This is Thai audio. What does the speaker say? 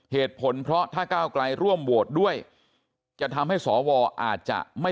เหตุผลเพราะถ้าก้าวไกลร่วมโหวตด้วยจะทำให้สวอาจจะไม่